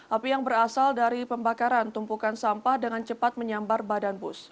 api yang berasal dari pembakaran tumpukan sampah dengan cepat menyambar badan bus